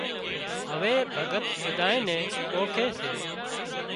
هوَي ڀڳت ٻڌانئي نين اوۯکي سي